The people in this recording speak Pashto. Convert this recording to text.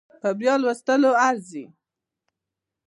په بيا لوستو ارزي